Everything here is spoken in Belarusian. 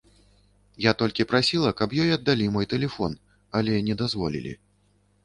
Я толькі прасіла, каб ёй аддалі мой тэлефон, але не дазволілі.